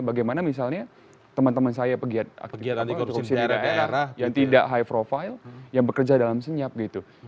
bagaimana misalnya teman teman saya pegiat anti korupsi di daerah yang tidak high profile yang bekerja dalam senyap gitu